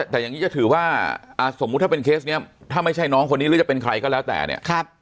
แต่อย่างนี้จะถือว่าสมมุติถ้าเป็นเคสนี้ถ้าไม่ใช่น้องคนนี้หรือจะเป็นใครก็แล้วแต่เนี่ย